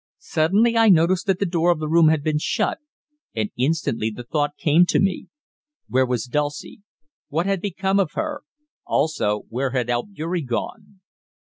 Suddenly I noticed that the door of the room had been shut, and instantly the thought came to me Where was Dulcie? What had become of her? Also where had Albeury gone?